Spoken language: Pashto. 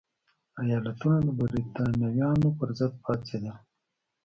ایالتونه د برېټانویانو پرضد پاڅېدل.